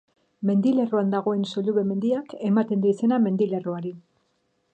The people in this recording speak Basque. Mendilerroan dagoen Sollube mendiak ematen dio izena mendilerroari.